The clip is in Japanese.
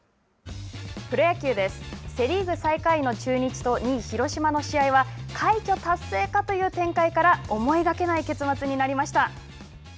セ・リーグ最下位の中日と２位広島の試合は快挙達成かという展開から思いがけない結末になりました。